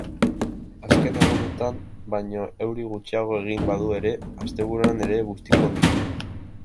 Azken egunotan baino euri gutxiago egingo badu ere, asteburuan ere bustiko du.